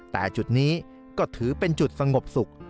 แต่จุดนี้ก็ถือเป็นจุดสงบสุข